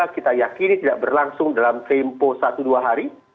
kita yakini tidak berlangsung dalam tempo satu dua hari